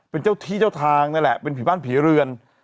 เป็นเจ้าที่เจ้าทางนั่นแหละเป็นผีบ้านผีเรือน